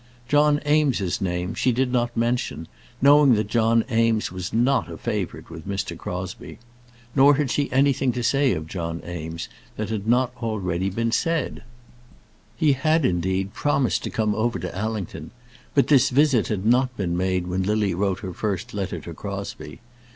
John Eames's name she did not mention, knowing that John Eames was not a favourite with Mr. Crosbie; nor had she anything to say of John Eames, that had not been already said. He had, indeed, promised to come over to Allington; but this visit had not been made when Lily wrote her first letter to Crosbie.